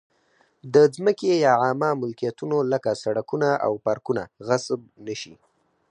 د ځمکې یا عامه ملکیتونو لکه سړکونه او پارکونه غصب نه شي.